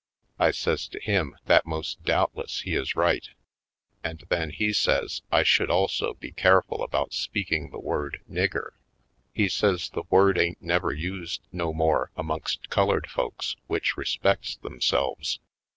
I says to him that most doubt less he is right. And then he says I should also be careful about speaking the word North Bound 33 "nigger." He says the word ain't never used no more amongst colored folks which respects themselves.